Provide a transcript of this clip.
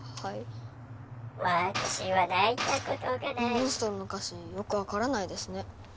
モンストロの歌詞よく分からないですね。